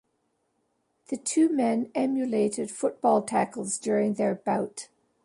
The two men emulated football tackles during their bout.